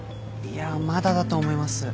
いやまだだと思います。